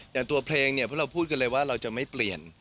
อย่างตัวเพลงเนี่ยพวกเราพูดกันเลยว่าเราจะไม่เปลี่ยน